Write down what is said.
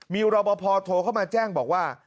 มิวรบพโทรเข้ามาแจ้งว่า